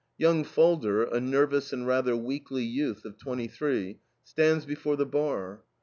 Young Falder, a nervous and rather weakly youth of twenty three, stands before the bar.